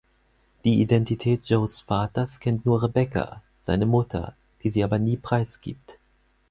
Die Identität Joes Vaters kennt nur Rebecca, seine Mutter, die sie aber nie preisgibt.